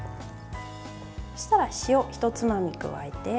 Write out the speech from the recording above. そうしたら、塩ひとつまみ加えて。